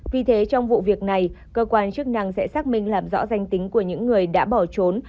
vì thế trong vụ việc này cơ quan chức năng sẽ xác minh làm rõ danh tính của những người đã bỏ trốn